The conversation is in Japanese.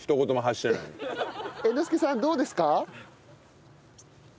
猿之助さんどうですか？